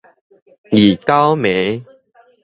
二九暝